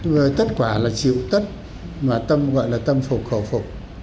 với tất quả là chịu tất mà tâm gọi là tâm phục khổ phục